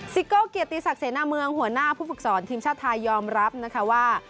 โก้เกียรติศักดิเสนาเมืองหัวหน้าผู้ฝึกสอนทีมชาติไทยยอมรับนะคะว่า